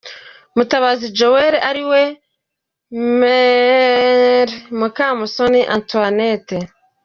Mutabazi Joel ariwe Me Mukamusoni Antoinette.